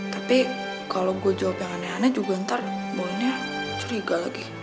tapi kalo gue jawab yang aneh aneh juga ntar mbak ina curiga lagi